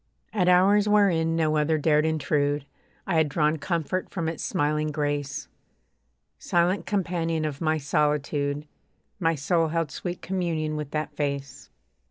At hours wherein no other dared intrude, I had drawn comfort from its smiling grace. Silent companion of my solitude, My soul held sweet communion with that face.